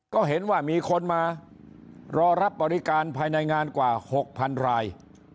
ก็เห็นว่ามีคนมารอรับบริการภายในงานกว่า๖๐๐๐ราย